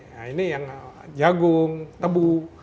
nah ini yang jagung tebu